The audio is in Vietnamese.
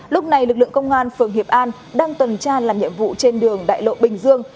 lúc này lực lượng công an phường hiệp an đang tuần tra làm nhiệm vụ trên đường đại lộ bình dương